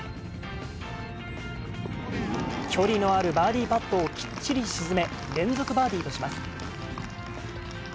距離のあるバーディーパットをきっちり沈め、連続バーディーとします。